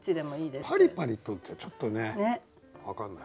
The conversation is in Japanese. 「パリパリと」ってちょっとね分かんない。